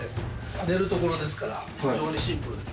寝る所ですから非常にシンプルです。